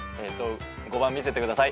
５番見せてください。